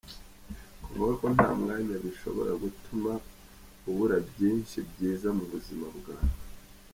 Kuvuga ko nta mwanya bishobora gutuma ubura byinshi byiza mu buzima bwawe.